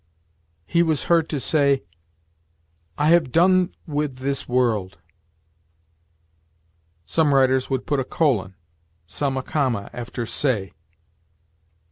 "He was heard to say, 'I have done with this world.'" Some writers would put a colon, some a comma, after say.